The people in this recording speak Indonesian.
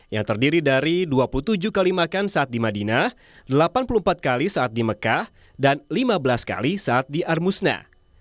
yang terdiri dari dua puluh tujuh kali makan saat di madinah delapan puluh empat kali saat di mekah dan lima belas kali saat di armusna